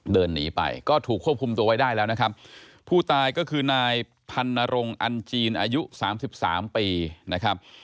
เดินหนีไปก็ถูกควบคุมตัวไว้ได้แล้วนะครับผู้ตายก็คือนายพันนรงค์อันจีนอายุสามสิบสามปีนะครับ